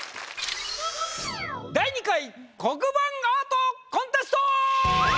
第２回黒板アートコンテスト！